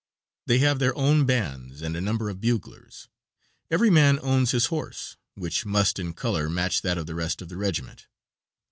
They have their own bands and a number of buglers. Every man owns his horse, which must in color match that of the rest of the regiment.